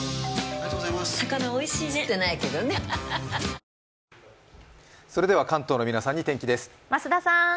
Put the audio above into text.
ペイトク関東の皆さんに天気です。